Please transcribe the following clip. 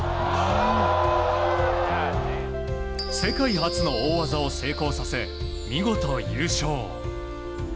世界初の大技を成功させ見事優勝。